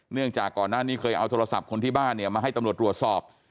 เนื่องจากก่อนนั้นเคยเอาโทรศัพท์คนที่บ้านมาให้ตำรวจตรวจสอบ